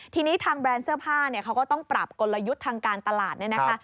ทีนี้ทางแบรนด์เสื้อผ้าเนี่ยเขาก็ต้องปรับกลยุทธ์ทางการตลาดเนี่ยนะคะ